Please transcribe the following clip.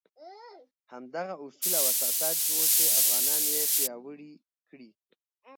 همدغه اصول او اساسات وو چې افغانان یې پیاوړي کړي.